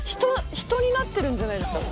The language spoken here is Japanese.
人になってるんじゃないですか？